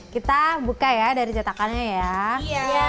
kita buka ya dari cetakannya ya